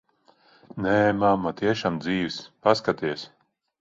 Nē, mamma, tiešām dzīvs. Paskaties.